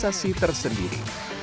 menjadi sensasi tersendiri